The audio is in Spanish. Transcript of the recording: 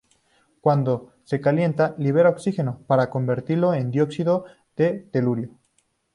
Cuando se calienta, libera oxígeno para convertirlo en dióxido de telurio.